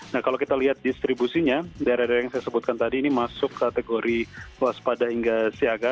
nah kalau kita lihat distribusinya daerah daerah yang saya sebutkan tadi ini masuk kategori waspada hingga siaga